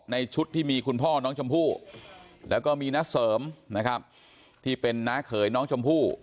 ชุดที่มีคุณพ่อน้องชมพู่แล้วก็มีน้าเสริมนะครับที่เป็นน้าเขยน้องชมพู่